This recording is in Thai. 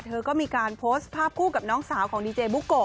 เธอก็มีการโพสต์ภาพคู่กับน้องสาวของดีเจบุโกะ